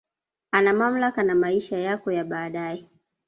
Ana mamlaka na maisha yako ya baadae